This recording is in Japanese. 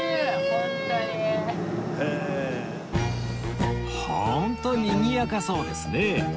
ホントにぎやかそうですね